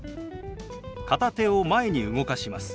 片手を前に動かします。